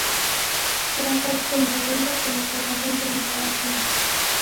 Grazas, conselleira, pola información que nos dá aquí.